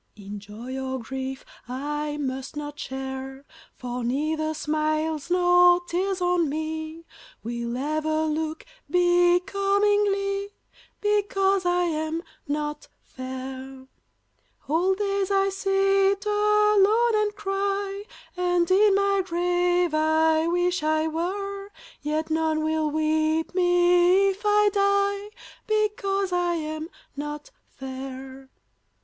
In joy or grief I must not share, For neither smiles nor tears on me Will ever look becomingly, Because I am not fair; Whole days I sit alone and cry, And in my grave I wish I were Yet none will weep me if I die, Because I am not fair.